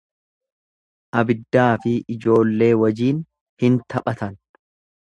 Abiddaafi ijoollee wajiin hin taphatan.